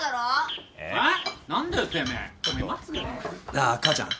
なあ母ちゃん。